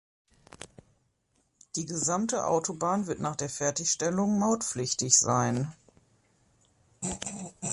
Die gesamte Autobahn wird nach der Fertigstellung mautpflichtig sein.